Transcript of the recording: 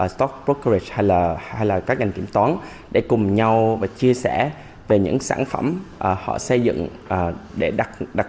stock procertiler hay là các ngành kiểm toán để cùng nhau và chia sẻ về những sản phẩm họ xây dựng để đặt